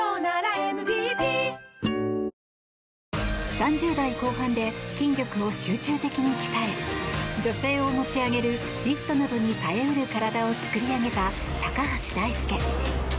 ３０代後半で筋力を集中的に鍛え女性を持ち上げるリフトなどに耐え得る体を作り上げた高橋大輔。